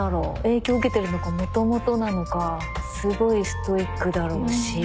影響受けてるのかもともとなのかすごいストイックだろうし。